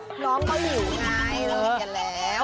น้องก็อยู่ที่นายรอดีกังแล้ว